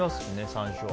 山椒。